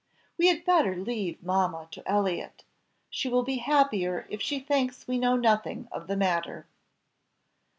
"We had better leave mamma to Elliott, she will be happier if she thinks we know nothing of the matter."